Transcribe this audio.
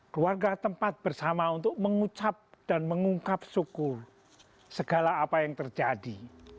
keluarga tempat bersama untuk mengucap dan mengungkap syukur segala apa yang terjadi